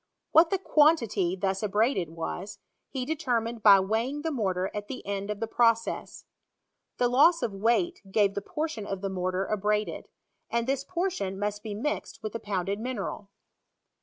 What the quantity thus abraded was, he determined by weighing the mortar at the end of the process. The loss of weight gave the portion of the mortar abraded ; and this portion mu3t be mixed with the pounded mineral.